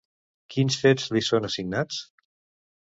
Quins fets li són assignats?